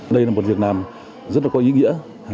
đây là một việc làm rất là có ý nghĩa